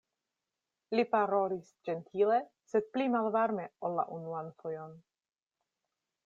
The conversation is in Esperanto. Li parolis ĝentile, sed pli malvarme ol la unuan fojon.